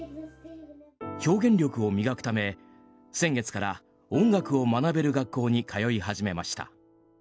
表現力を磨くため、先月から音楽を学べる学校に通い始めました。